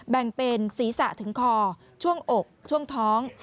แบ่งเป็นศีรษะถึงคอช่วงอกช่วงท้อง